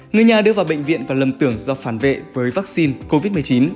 người nhà đưa vào bệnh viện và lầm tưởng do phản vệ với vaccine covid một mươi chín